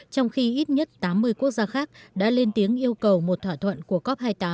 trong khi ít nhất tám mươi quốc gia khác đã lên tiếng yêu cầu một thỏa thuận của cop hai mươi tám